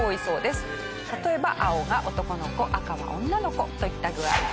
例えば青が男の子赤は女の子といった具合です。